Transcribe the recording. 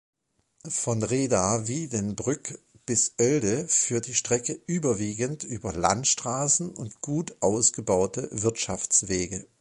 Von Rheda-Wiedenbrück bis Oelde führt die Strecke überwiegend über Landstraßen und gut ausgebaute Wirtschaftswege.